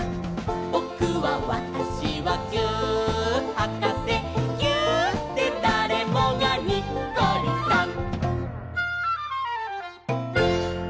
「ぼくはわたしはぎゅーっはかせ」「ぎゅーっでだれもがにっこりさん！」